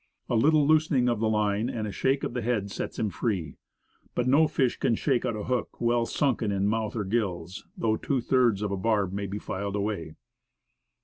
A little loosening of the line and one shake of the head sets him free. But no fish can shake out a hook well sunken in mouth or gills, though two thirds of the barb be filed away.